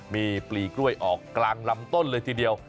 มีปลีกล้วยออกกลางลำต้นเลยทีเดียว